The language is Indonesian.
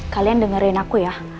kalian dengerin aku ya